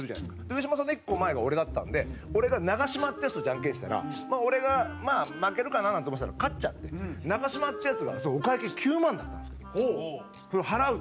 上島さんの１個前が俺だったので俺がナガシマってヤツとジャンケンしたら俺が負けるかななんて思ってたら勝っちゃってナガシマってヤツがお会計９万だったんですけどそれを払う。